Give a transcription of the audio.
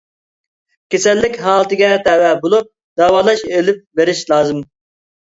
كېسەللىك ھالىتىگە تەۋە بولۇپ، داۋالاش ئېلىپ بېرىش لازىم.